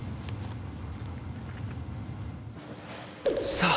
さあ。